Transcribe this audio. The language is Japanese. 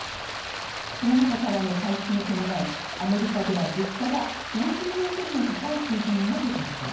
コロナ禍からの回復に伴いアメリカでは物価が４０年ぶりの高い水準にまで上昇。